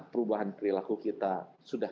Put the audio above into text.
perubahan perilaku kita sudah